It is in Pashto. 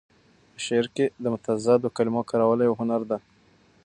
په شعر کې د متضادو کلمو کارول یو هنر دی.